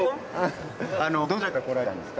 どちらから来られたんですか？